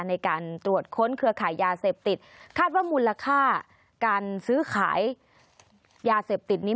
ในการตรวจค้นเครือขายยาเสพติดคาดว่ามูลค่าการซื้อขายยาเสพติดนี้